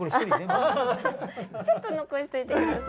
ちょっと残しておいてください。